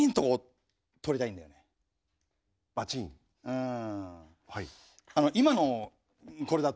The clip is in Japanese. うん。